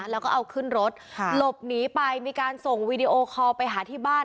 แล้วก็เอาขึ้นรถหลบหนีไปมีการส่งวีดีโอคอลไปหาที่บ้าน